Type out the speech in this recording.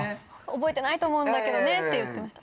「覚えてないと思うんだけどね」って言ってました。